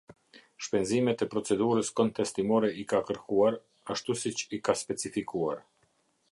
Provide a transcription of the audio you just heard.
Shpenzimet e procedurës kontestimore i ka kërkuar, ashtu siç i ka specifikuar.